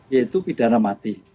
yaitu pidana mati